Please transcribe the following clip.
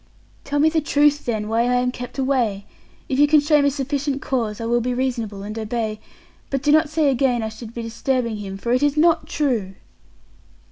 "Tell me the truth, then, why I am kept away. If you can show me sufficient cause, I will be reasonable and obey; but do not say again I should be disturbing him, for it is not true."